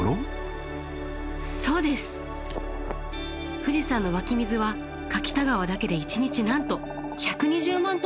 富士山の湧き水は柿田川だけで１日なんと１２０万トン以上。